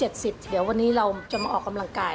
เดี๋ยววันนี้เราจะมาออกกำลังกาย